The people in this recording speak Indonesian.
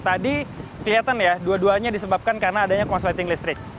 tadi kelihatan ya dua duanya disebabkan karena adanya korsleting listrik